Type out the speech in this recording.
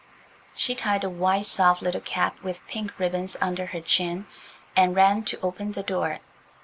She tied a white, soft little cap with pink ribbons under her chin and ran to open the door.